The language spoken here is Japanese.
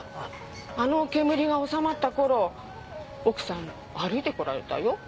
あの煙がおさまったころ奥さん歩いてこられたよ。